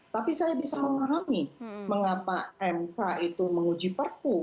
tapi saya bisa memahami mengapa mk itu menguji perpu